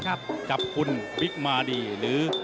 ครับครับคุณปริกมาดีหรือ